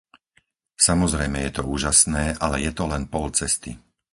Samozrejme, je to úžasné, ale je to len pol cesty.